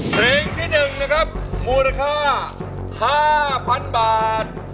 เพลงที่๑นะครับมูลค่า๕๐๐๐บาท